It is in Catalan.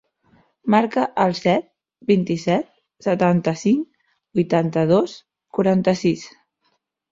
Marca el set, vint-i-set, setanta-cinc, vuitanta-dos, quaranta-sis.